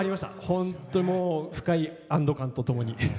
本当、深い安ど感とともに。